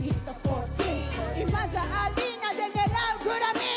「今じゃアリーナで狙うグラミー